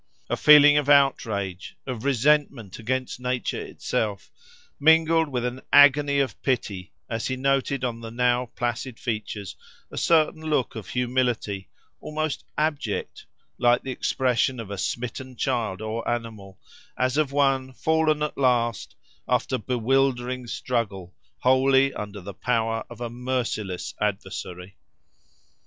A feeling of outrage, of resentment against nature itself, mingled with an agony of pity, as he noted on the now placid features a certain look of humility, almost abject, like the expression of a smitten child or animal, as of one, fallen at last, after bewildering struggle, wholly under the power of a merciless adversary.